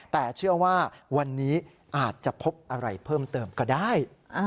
แต่เชื่อว่าวันนี้อาจจะพบอะไรเพิ่มเติมก็ได้